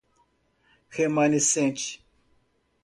remanescente